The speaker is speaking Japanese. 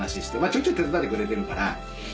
ちょいちょい手伝ってくれてるから。